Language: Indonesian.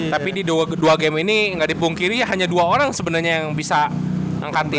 tapi di dua game ini nggak dipungkiri hanya dua orang sebenarnya yang bisa angkat tim